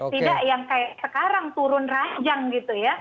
tidak yang kayak sekarang turun rajang gitu ya